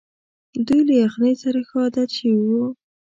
دوی له یخنۍ سره ښه عادت شوي وو.